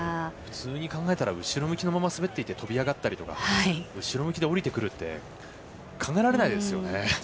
普通に考えたら後ろ向きのまま滑っていて飛び上がったりとか後ろ向きで降りてくるって考えられないですよね。